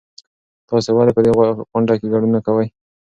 تاسې ولې په دې غونډه کې ګډون نه کوئ؟